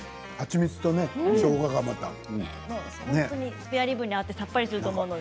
スペアリブに合ってさっぱりすると思うので。